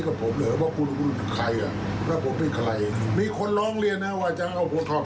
โอเคคุณมีกระแสค่ว่าจะมาตอบรถครัว